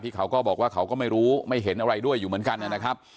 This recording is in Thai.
เขาก็บอกว่าเขาก็ไม่รู้ไม่เห็นอะไรด้วยอยู่เหมือนกันนะครับ